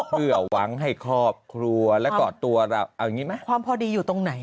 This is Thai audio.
เพื่อหวังให้ครอบครัวแล้วก็ตัวเราเอาอย่างนี้ไหมความพอดีอยู่ตรงไหน